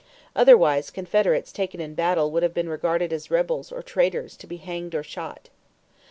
Otherwise Confederates taken in battle would have been regarded as "rebels" or "traitors" to be hanged or shot.